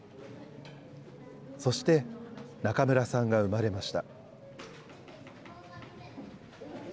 そして、中村さんが産まれました。